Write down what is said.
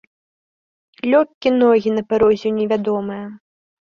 Лёгкі ногі на парозе ў невядомае.